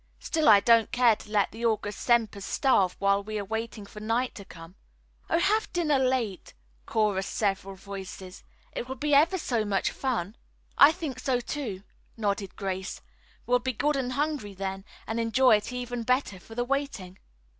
Still I don't care to let the august Sempers starve while we are waiting for night to come." "Oh, have dinner late," chorused several voices. "It will be ever so much more fun." "I think so, too," nodded Grace. "We'll be good and hungry then and enjoy it even better for the waiting."